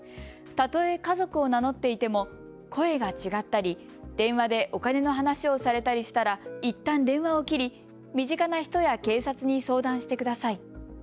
例え家族を名乗っていても声が違ったり、電話でお金の話をされたりしたらいったん電話を切り、身近な人や警察に相談してください。